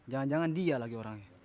jangan jangan dia lagi orangnya